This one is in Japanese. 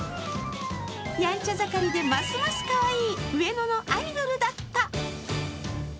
やんちゃ盛りで、ますますかわいい上野のアイドルだった。